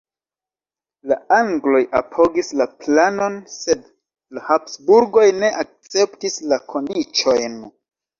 La angloj apogis la planon, sed la Habsburgoj ne akceptis la kondiĉojn.